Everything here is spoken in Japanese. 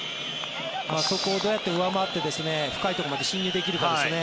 あそこをどうやって上回って深いところまで進入できるかですね。